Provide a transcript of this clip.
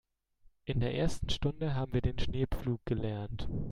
In der ersten Stunde haben wir den Schneepflug gelernt.